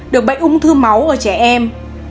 được bệnh ung thư máu ở trẻ em